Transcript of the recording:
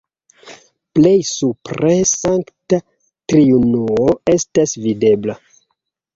Plej supre Sankta Triunuo estas videbla.